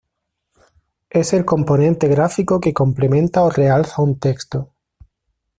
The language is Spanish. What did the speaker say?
Es el componente gráfico que complementa o realza un texto.